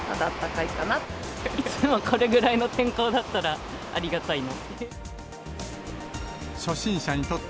いつもこれぐらいの天候だったらありがたいなって。